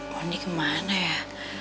mondi kemana ya